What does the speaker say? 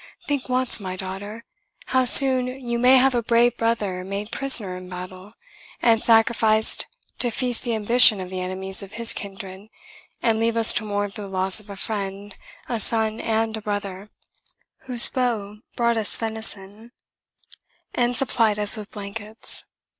think once, my daughter, how soon you may have a brave brother made prisoner in battle, and sacrificed to feast the ambition of the enemies of his kindred, and leave us to mourn for the loss of a friend, a son and a brother, whose bow brought us venison, and supplied us with blankets!